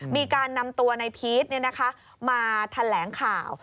มีการนำตัวในพีชมาแถลงข่าว